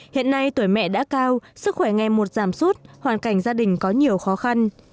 hiện nay tuổi mẹ đã cao sức khỏe ngày một giảm suốt hoàn cảnh gia đình có nhiều khó khăn